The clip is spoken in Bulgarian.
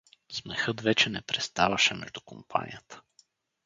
Смехът вече не преставаше между компанията.